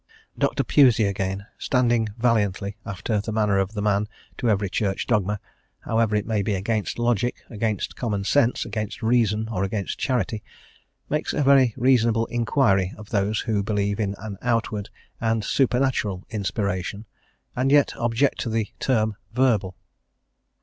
Dr. Pusey again, standing valiantly, after the manner of the man, to every Church dogma, however it may be against logic, against common sense, against reason, or against charity, makes a very reasonable inquiry of those who believe in an outward and supernatural inspiration, and yet object to the term verbal.